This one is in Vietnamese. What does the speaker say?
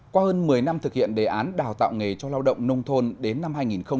qua hơn một mươi năm thực hiện đề án đào tạo nghề cho lao động nông thôn đến năm hai nghìn hai mươi